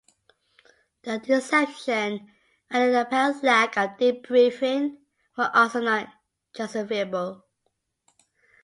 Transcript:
The deception and the apparent lack of debriefing were also not justifiable.